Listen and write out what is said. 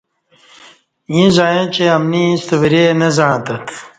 ییں زعیاں چہ امنی ایݩستہ ورے نہ زعݩتت